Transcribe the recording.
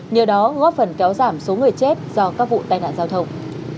nhờ đó góp phần kéo giảm số người chết do các vụ tai nạn giao thông